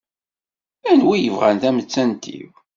Anwi yebɣan tamettant-iw?